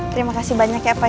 terima kasih banyak ya pak